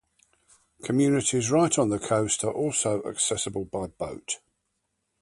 Communities right on the coast are also accessible by boat.